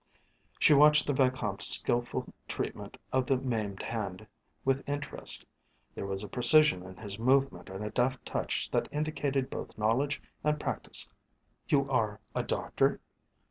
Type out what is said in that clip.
She watched the Vicomte's skilful treatment of the maimed hand with interest. There was a precision in his movement and a deft touch that indicated both knowledge and practise. "You are a doctor?"